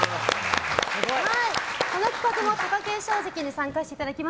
この企画も貴景勝関に参加していただきます。